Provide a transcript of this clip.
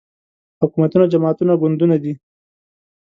حکومتونه جماعتونه ګوندونه دي